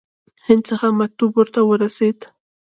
هند څخه مکتوب ورته ورسېدی.